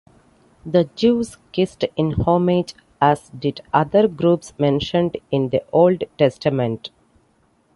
The Jews kissed in homage, as did other groups mentioned in the Old Testament.